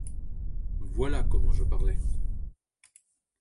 Voilà comment je parlais !